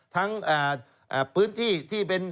ทั้งพื้นที่ที่เป็น